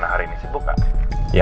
oh ini puy books ya